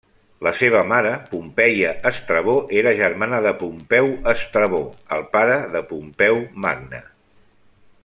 La seva mare, Pompeia Estrabó, era germana de Pompeu Estrabó, el pare de Pompeu Magne.